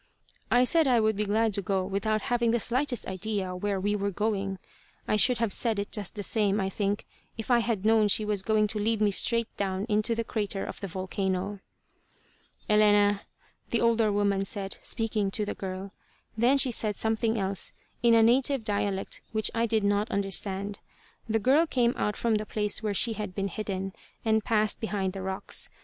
I said I would be glad to go, without having the slightest idea where we were going. I should have said it just the same, I think, if I had known she was going to lead me straight down into the crater of the volcano. "Elena," the older woman said, speaking to the girl. Then she said something else, in a native dialect which I did not understand. The girl came out from the place where she had been hidden, and passed behind the rocks.